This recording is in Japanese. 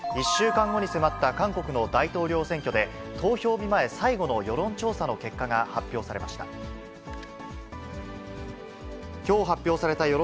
１週間後に迫った韓国の大統領選挙で、投票日前、最後の世論調査の結果が発表されました。